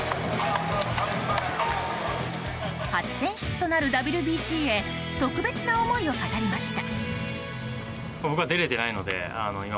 初選出となるＷＢＣへ特別な思いを語りました。